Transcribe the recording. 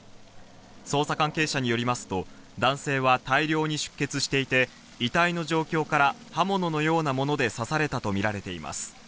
捜査関係者によりますと、男性は大量に出血していて、遺体の状況から刃物のようなもので刺されたとみられています。